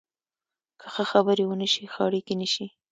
که ښه خبرې ونه شي، ښه اړیکې نشي